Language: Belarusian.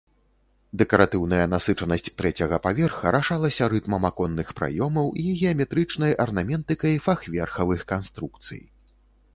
Дэкаратыўная насычанасць трэцяга паверха рашалася рытмам аконных праёмаў і геаметрычнай арнаментыкай фахверкавых канструкцый.